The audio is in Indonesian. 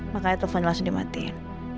makanya telfonnya langsung dimatiin